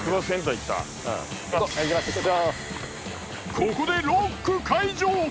ここでロック解除！